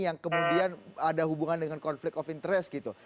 yang kemudian ada hubungan dengan konflik of interest gitu